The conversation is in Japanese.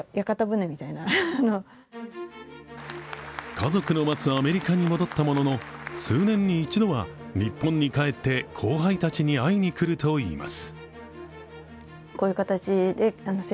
家族の待つアメリカに戻ったものの、数年に一度は日本に帰って、後輩たちに会いにくるといいます。